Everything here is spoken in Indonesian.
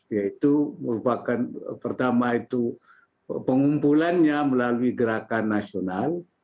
yaitu merupakan pertama itu pengumpulannya melalui gerakan nasional